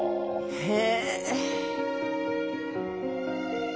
へえ。